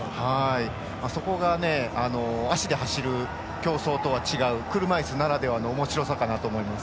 そこが、足で走る競争とは違う車いすならではのおもしろさかなと思います。